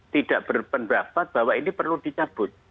tidak berpendapat bahwa ini perlu dicabut